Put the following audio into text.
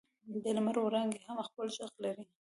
د لمر وړانګې هم خپل ږغ لري.